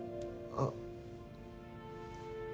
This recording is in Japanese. あっ。